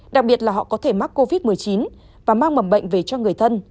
đặc biệt là họ có thể mắc covid một mươi chín và mang mầm bệnh về cho người thân